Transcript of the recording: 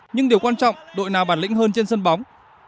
nhưng điều quan trọng đội nào bản lĩnh hơn trên sân bóng